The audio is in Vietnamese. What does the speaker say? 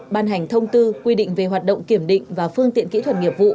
ban hành thông tư quy định về hoạt động kiểm định và phương tiện kỹ thuật nghiệp vụ